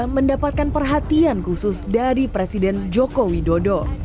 dua ribu dua puluh tiga mendapatkan perhatian khusus dari presiden jokowi dodo